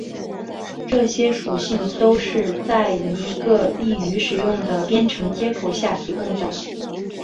这些属性都是在一个易于使用的编程接口下提供的。